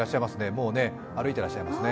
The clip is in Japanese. もう歩いていらっしゃいますね。